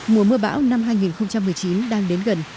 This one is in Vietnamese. mùa mưa bão năm hai nghìn một mươi chín đang đến gần